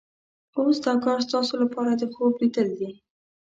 اوس دا کار ستاسو لپاره د خوب لیدل دي.